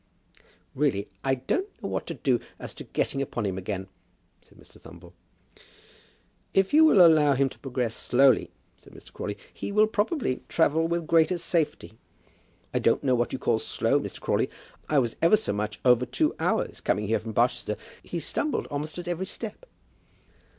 "Really I don't know what to do as to getting upon him again," said Mr. Thumble. "If you will allow him to progress slowly," said Mr. Crawley, "he will probably travel with the greater safety." "I don't know what you call slow, Mr. Crawley. I was ever so much over two hours coming here from Barchester. He stumbled almost at every step."